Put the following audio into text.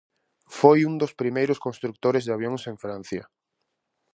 Foi un dos primeiros construtores de avións en Francia.